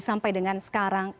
sampai dengan sekarang